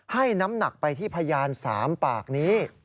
ให้น้ำหนักไปที่พยาน๓ปากนี้